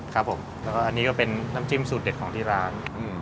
ครับผมแล้วก็อันนี้ก็เป็นน้ำจิ้มสูตรเด็ดของที่ร้าน